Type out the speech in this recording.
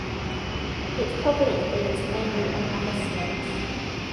It probably feeds mainly on other snakes.